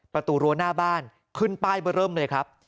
ประตูรั้วหน้าบ้านขึ้นป้ายเบอร์เริ่มเลยครับ